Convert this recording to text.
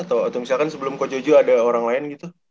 atau misalkan sebelum ko jojo ada orang lain gitu